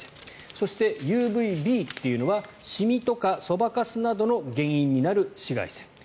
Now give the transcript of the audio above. そして、ＵＶＢというのはシミとか、そばかすなどの原因となる紫外線。